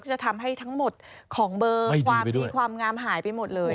จะทำให้ทั้งหมดของเบอร์ความดีความงามหายไปหมดเลย